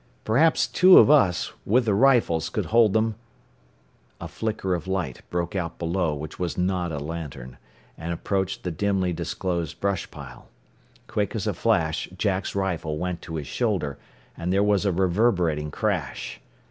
"Perhaps two of us, with the rifles, could hold them " A flicker of light broke out below which was not a lantern, and approached the dimly disclosed brush pile. Quick as a flash Jack's rifle went to his shoulder, and there was a reverberating crash.